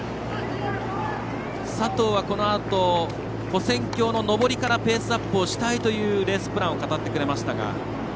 佐藤はこのあと跨線橋の上りからペースアップしたいというレースプランを語ってくれました。